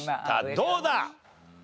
どうだ？